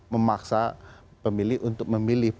memaksa pemilih untuk memilih